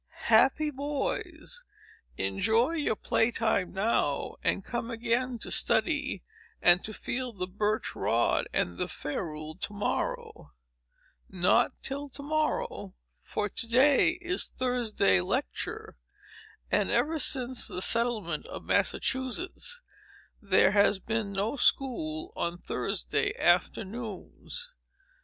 Happy boys! Enjoy your play time now, and come again to study, and to feel the birch rod and the ferule, to morrow; not till to morrow, for to day is Thursday lecture; and ever since the settlement of Massachusetts, there has been no school on Thursday afternoons.